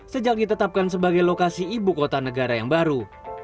sejak ditetapkan sebagai lokasi ibu kota negara yang baru